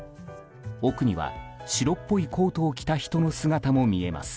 奥には白っぽいコートを着た人の姿も見えます。